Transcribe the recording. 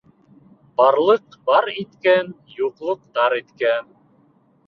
Барлыҡ бар иткән, юҡлык тар иткән.